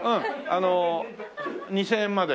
あの２０００円まで。